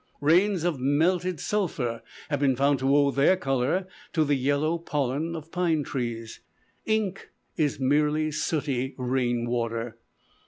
Rains of melted sulphur have been found to owe their color to the yellow pollen of pine trees. Ink is merely sooty rain water.